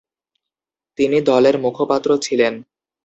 তিনি দলের মুখপাত্র ছিলেন।